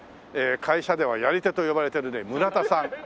会社ではやり手と呼ばれてるね村田さん